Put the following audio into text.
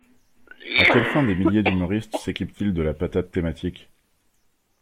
À quelle fin des milliers d'humoristes s'équipent-ils de la patate thématique?